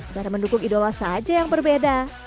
cara mendukung idola saja yang berbeda